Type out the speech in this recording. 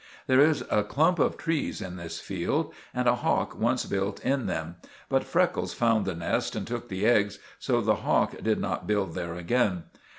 There is a clump of trees in this field, and a hawk once built in them; but Freckles found the nest and took the eggs, so the hawk did not build there again.